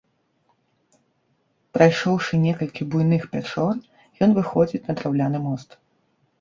Прайшоўшы некалькі буйных пячор, ен выходзіць на драўляны мост.